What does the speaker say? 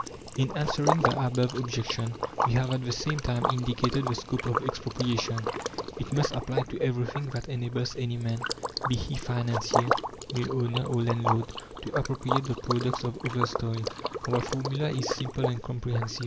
In answering the above objection we have at the same time indicated the scope of Expropriation. It must apply to everything that enables any man be he financier, mill owner, or landlord to appropriate the product of others' toil. Our formula is simple and comprehensive.